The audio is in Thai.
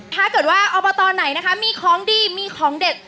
ถ้าเกิดว่าอบตไหนนะคะมีของดีมีของเด็ด